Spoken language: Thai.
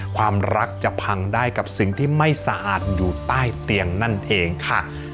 ความรักจะพังได้กับสิ่งที่ไม่สะอาดอยู่ใต้เตียงนั่นเองค่ะ